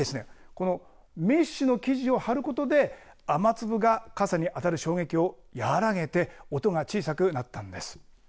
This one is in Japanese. このメッシュの生地を張ることで雨粒が傘に当たる衝撃を和らげて音が小さくなったんです。